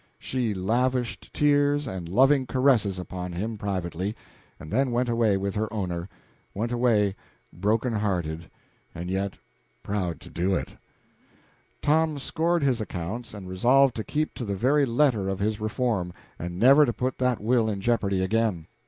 She lavished tears and loving caresses upon him privately, and then went away with her owner went away broken hearted, and yet proud of what she was doing, and glad it was in her power to do it. Tom squared his accounts, and resolved to keep to the very letter of his reform, and never to put that will in jeopardy again.